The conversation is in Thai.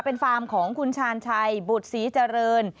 เป็นฟาร์มของคุณชาญชัยบุตรศรีเจริญ